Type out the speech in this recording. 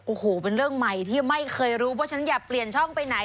โอ้โหเป็นเรื่องใหม่ที่ไม่เคยรู้เพราะฉันอย่าเปลี่ยนช่องไปไหน